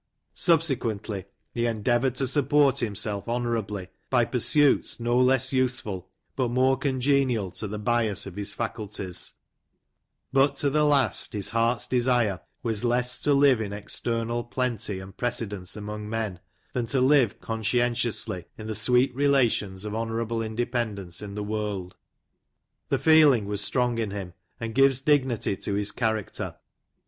Subsequently he endeavoured to support himself honourably, by pursuits no less useful, but more congenial to the bias of his faculties ; but, to the last, his heart's desire was less to live in external plenty and precedence among men, 52 THE COTTAGE OF TIM EOBBIX, than to live conscientiously, in the sweet relations of honour able independence in the world. The feeling was strong in him, and gives dignity to his character.